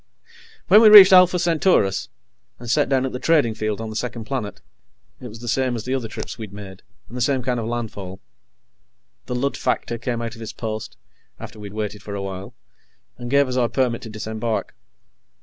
When we reached Alpha Centaurus, and set down at the trading field on the second planet, it was the same as the other trips we'd made, and the same kind of landfall. The Lud factor came out of his post after we'd waited for a while, and gave us our permit to disembark.